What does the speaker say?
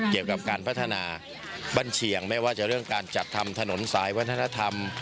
เกี่ยวกับการพัฒนาบ้านเชียงไม่ว่าจะเรื่องการจัดทำถนนสายวัฒนธรรม